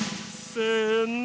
せの。